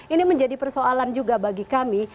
ini menjadi persoalan juga bagi kami